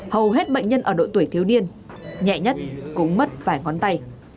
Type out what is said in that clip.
hầu hết bệnh nhân ở độ tuổi thiếu niên nhẹ nhất cũng mất vài ngón tay